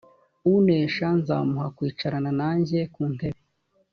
unesha nzamuha kwicarana nanjye ku ntebe